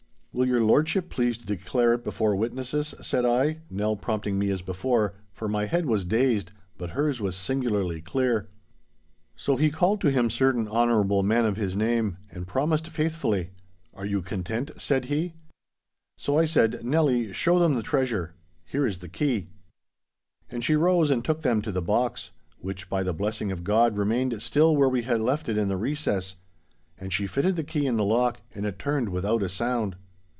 'Will your lordship please to declare it before witnesses,' said I, Nell prompting me as before, for my head was dazed; but hers was singularly clear. So he called to him certain honourable men of his name, and promised faithfully. 'Are you content?' said he. So I said, 'Nelly, show them the treasure. Here is the key!' And she rose and took them to the box—which, by the blessing of God remained still where we had left it in the recess—and she fitted the key in the lock, and it turned without a sound.